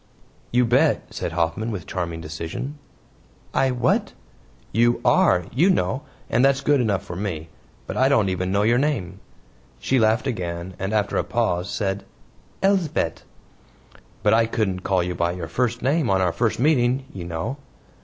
"You bet," said Hoffman with charming decision. "I WHAT?" "You ARE, you know, and that's good enough for me, but I don't even know your name." She laughed again, and after a pause, said: "Elsbeth." "But I couldn't call you by your first name on our first meeting, you know."